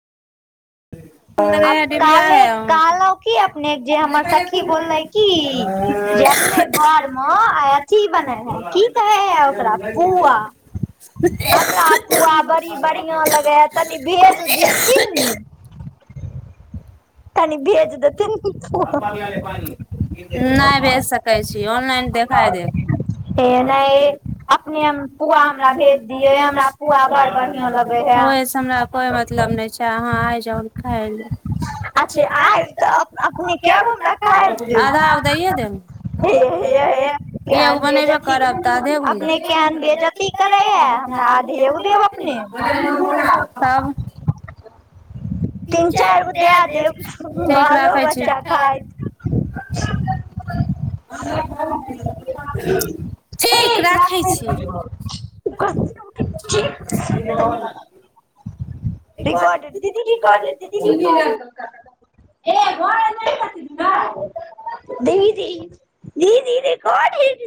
आ काले काल की अपने जे हमर सखी बोलले की जे अपने घर मे अथी बने है की कहे है ओकरा पुवा - हमरा पुआ बड़ी बढ़िया लगे है तनी भेज देथिन ने तनी भेज देथिन पुआ [unintelligible] आ [unintelligible] ह नयऐ अपने पुआ हमरा भेज दिय हमरा पुआ ब बढ़िआँ लगै ह [unintelligible] हमरा कोई मतलब नई छै अहाँ आ जाउ खाय ले अच्छे आई तऽ, अपने के गो हमरा खाइब देब हे -हे -हे केहन बैजति अपने केहन बैजति ती करैए हे हमरा अधेब देब अपने [unintelligible] तीन चाइर दे देब बालो बच्चा खायत [unintelligible] ठीक राखु कते ठीक इ बहुत ऐना रिकॉड दीदी रिकॉर्डेर दीदी रिकॉडिंग ए घरऽ नै छथिन ना? दीदी दीदी रिकाॅर्ड लै छे